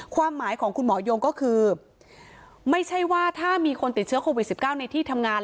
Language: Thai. ความหมายของคุณหมอยงก็คือไม่ใช่ว่าถ้ามีคนติดเชื้อโควิด๑๙ในที่ทำงาน